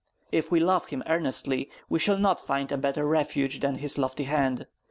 If we love him earnestly, we shall not find a better refuge than his lofty hand.